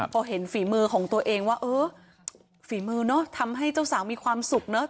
พอเห็นฝีมือของตัวเองว่าเออฝีมือเนอะทำให้เจ้าสาวมีความสุขเนอะ